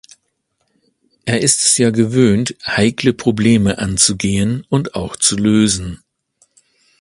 Er ist es ja gewöhnt, heikle Probleme anzugehen und auch zu lösen.